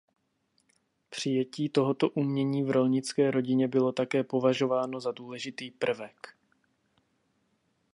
Přijetí tohoto umění v rolnické rodině bylo také považováno za důležitý prvek.